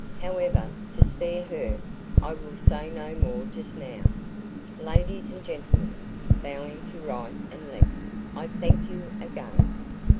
However, to spare her, I will say no more just now. Ladies and gentlemen" bowing to right and left "I thank you again."